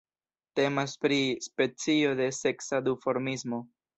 Temas pri specio de seksa duformismo.